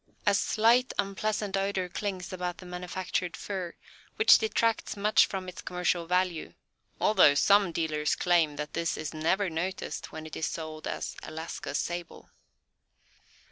A slight unpleasant odor clings about the manufactured fur, which detracts much from its commercial value, although some dealers claim that this is never noticed when it is sold as "Alaska sable."